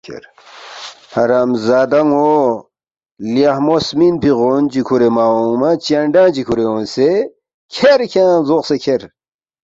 ”حرامزادہ ن٘و لیخمو سمِنفی غون چی کُھورے مہ اونگما چنڈانگ چی کُھورے اونگسے، کھیر کھیانگ لزوقسے کھیر